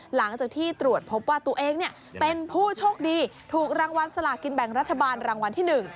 หลังจากที่ตรวจพบว่าตัวเองเป็นผู้โชคดีถูกรางวัลสลากินแบ่งรัฐบาลรางวัลที่๑